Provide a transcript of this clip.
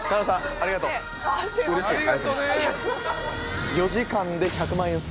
ありがとうございます。